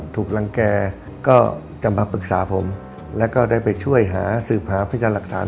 ถูกรังแก่ก็จะมาปรึกษาผมแล้วก็ได้ไปช่วยหาสืบหาพยานหลักฐาน